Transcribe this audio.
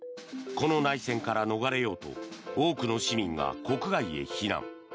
この内戦から逃れようと多くの市民が国外へ避難。